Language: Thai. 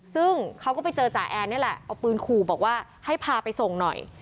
ซึ่งเขาก็ไปเจอจ่าแอนนี่แหละเอาปืนขู่บอกว่าให้พาไปส่งหน่อย